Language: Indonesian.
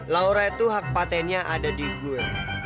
laura itu hak patennya ada di gua